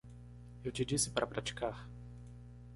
Eu te disse para praticar.